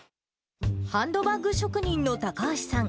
ハンドバッグ職人のたかはしさん。